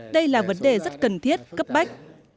đây là vấn đề rất cần thiết cấp bách